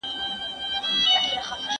¬ غر که لوړ دئ، پر سر ئې لار ده.